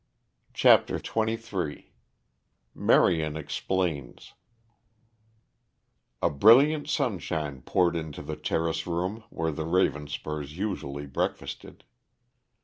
CHAPTER XXIII MARION EXPLAINS A brilliant sunshine poured into the terrace room where the Ravenspurs usually breakfasted.